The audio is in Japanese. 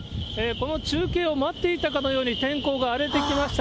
この中継を待っていたかのように、天候が荒れてきました。